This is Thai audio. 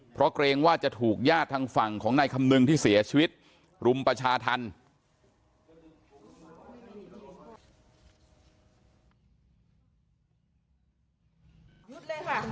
เพราะเกรงว่าจะถูกญาติทางฝั่งของนายคำนึงที่เสียชีวิตรุมประชาธรรม